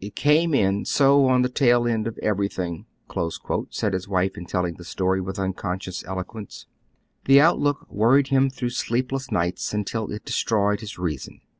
It came in so on the tail end of everything," said his wife in telling the story, with unconscious eloquence. The outlook worried him through sleepless nights until it destroyed his reason.